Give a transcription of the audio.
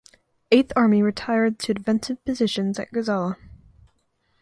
Eighth Army retired to defensive positions at Gazala.